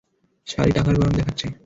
শালী, টাকার গরম দেখাচ্ছে!